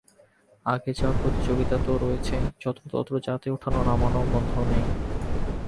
আগে যাওয়ার প্রতিযোগিতা তো রয়েছেই, যত্রতত্র যাত্রী ওঠানো নামানোও বন্ধ নেই।